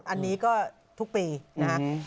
อันนี้ก็ทุกปีนะครับ